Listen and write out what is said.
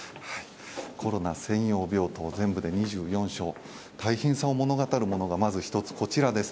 コロナ専用病棟、全部で２４床、大変さを物語るものが、まずこちらです。